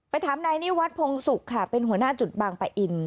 ไปถามในนี้วัดพงศ์สุขค่ะเป็นหัวหน้าจุดบางปะอิ่น